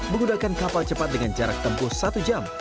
menggunakan kapal cepat dengan jarak tempuh satu jam